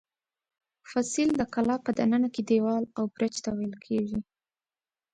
فصیل د کلا په دننه کې دېوال او برج ته ویل کېږي.